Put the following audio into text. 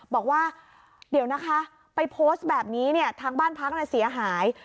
บอกว่าเดี๋ยวนะคะไปโพสต์แบบนี้เนี่ยทางบ้านพักเสียหาย